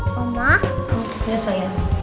aku mau ke rumah